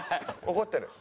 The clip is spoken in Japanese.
怒ってる？